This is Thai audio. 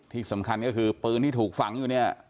ที่สำคัญก็คือปืนที่ถูกฝังอยู่เนี่ย